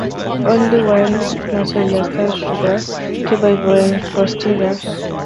Only one muscle is attached to the cuboid bone; the tibialis posterior.